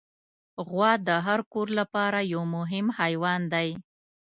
غوا د هر کور لپاره یو مهم حیوان دی.